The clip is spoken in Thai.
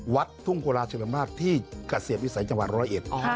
วัดทุ่งโคราชลำราชที่กระเสียบวิสัยจังหวัด๑๐๑